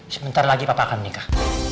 sebentar lagi bapak akan menikah